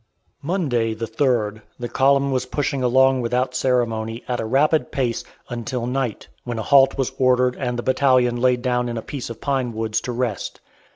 Monday, the 3d, the column was pushed along without ceremony, at a rapid pace, until night, when a halt was ordered and the battalion laid down in a piece of pine woods to rest.